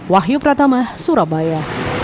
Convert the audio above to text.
wahyu pratama surabaya